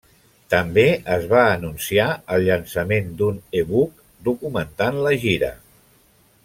També es va anunciar el llançament d'un e-book documentant la gira.